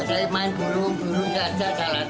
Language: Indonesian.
saya main burung burung saja saya latih